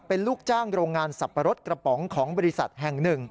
เป็นลูกจ้างโรงงานสับปะรดกระป๋องของบริษัทแห่งหนึ่ง